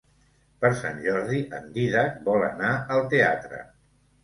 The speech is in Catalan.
Per Sant Jordi en Dídac vol anar al teatre.